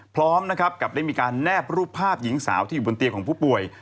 พร้อมนะครับกับได้มีการแนบรูปภาพหญิงสาวที่อยู่บนเตียงของผู้ป่วย